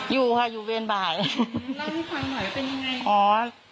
อยู่ค่ะอยู่เวรบ่ายแล้วมีความหมายเป็นยังไงอ๋อ